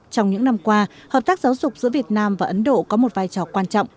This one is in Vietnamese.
trong những năm qua hợp tác giáo dục giữa việt nam và ấn độ có một vai trò quan trọng